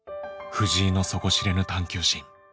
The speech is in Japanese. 藤井の底知れぬ探究心。